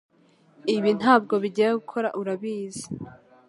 Ibi ntabwo bigiye gukora urabizi